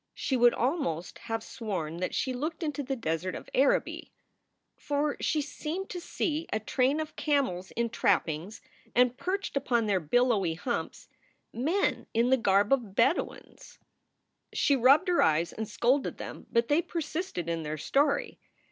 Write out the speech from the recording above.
She would almost have sworn that she looked into the desert of Araby, for she seemed to see a train of camels in trappings, and, perched upon their billowy humps, men in the garb of Bedouins. y 122 SOULS FOR SALE She rubbed her eyes and scolded them, but they persisted in their story.